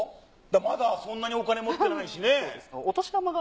まだそんなにお金持ってないしね。